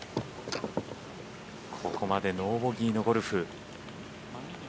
ここまでノーボギーのゴルフ。